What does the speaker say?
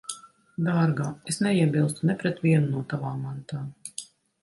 Dārgā, es neiebilstu ne pret vienu no tavām mantām.